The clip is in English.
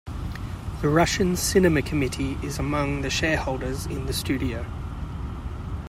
The Russian Cinema Committee is among the share-holders in the studio.